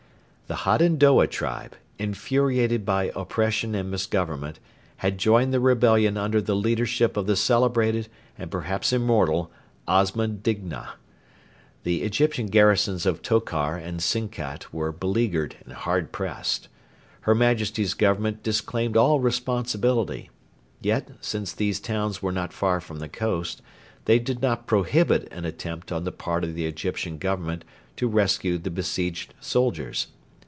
The Hadendoa tribe, infuriated by oppression and misgovernment, had joined the rebellion under the leadership of the celebrated, and perhaps immortal, Osman Digna. The Egyptian garrisons of Tokar and Sinkat were beleaguered and hard pressed. Her Majesty's Government disclaimed all responsibility. Yet, since these towns were not far from the coast, they did not prohibit an attempt on the part of the Egyptian Government to rescue the besieged soldiers.